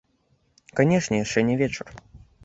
Канечне, яшчэ не вечар.